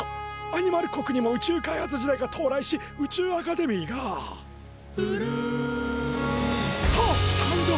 アニマル国にも宇宙開発時代が到来し宇宙アカデミーが「ぷるん」と誕生。